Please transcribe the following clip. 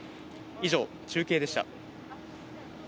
以上、中継でした。